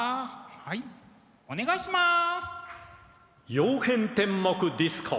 はいお願いします！